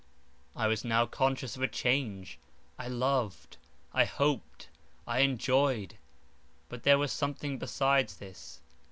I was now conscious of a change. I loved, I hoped, I enjoyed; but there was something besides this.